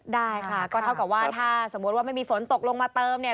ได้ค่ะก็เท่ากับว่าถ้าสมมุติว่าไม่มีฝนตกลงมาเติมเนี่ย